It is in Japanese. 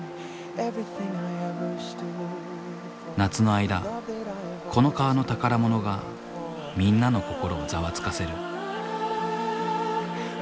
夏の間この川の宝物がみんなの心をざわつかせる。